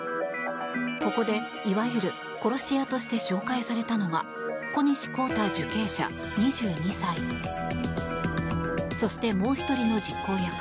ここで、いわゆる殺し屋として紹介されたのが小西昴太受刑者、２２歳そしてもう１人の実行役